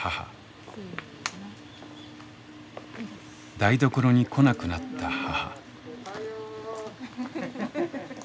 台所に来なくなった母。